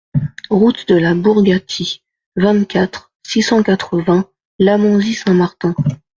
Route de la Bourgatie, vingt-quatre, six cent quatre-vingts Lamonzie-Saint-Martin